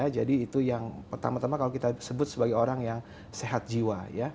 jadi itu yang pertama tama kalau kita sebut sebagai orang yang sehat jiwa